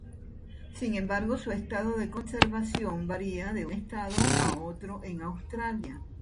Sin embargo, su estado de conservación varía de un estado a otro en Australia.